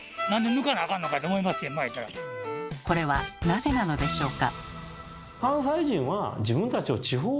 これはなぜなのでしょうか？